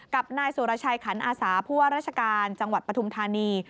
กับนายสุรชัยขันอาสาผู้ว่าราชการจังหวัดปฐุมธานี